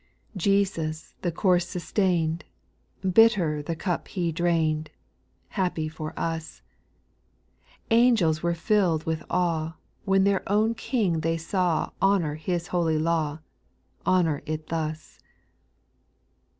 Jesus the curse sustained, Bitter the cup He drain'd, Happy for us ; Angels were fill'd with awe, When their own King they saw Honour His holy law, Honour it thus.